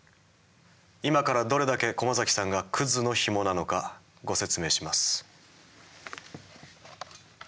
今からどれだけ駒崎さんがクズのヒモなのかご説明します。